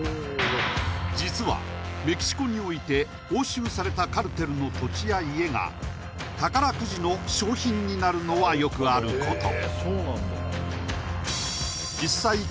実はメキシコにおいて押収されたカルテルの土地や家が宝くじの賞品になるのはよくあること